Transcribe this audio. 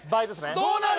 どうなる？